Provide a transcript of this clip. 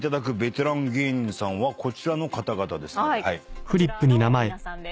こちらの皆さんです。